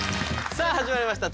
さあ始まりました